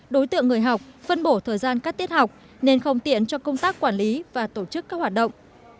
đối tượng người học phân bổ thời gian cắt tiết học nên không tiện cho công tác quản lý và tổ chức các hoạt động